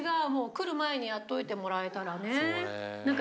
来る前にやっといてもらえたらね。